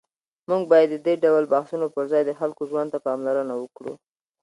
موږ باید د دې ډول بحثونو پر ځای د خلکو ژوند ته پاملرنه وکړو.